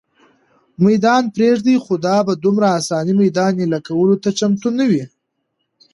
مېدان پرېږدي، خو دا په دومره آسانۍ مېدان اېله کولو ته چمتو نه وه.